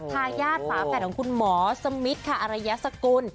ทายาทฝาแฝดของคุณหมอสมิทค่ะอรยสกุล